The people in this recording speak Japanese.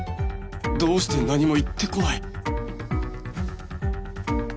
どうして何も言ってこない？